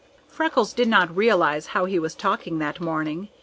Freckles did not realize how he was talking that morning.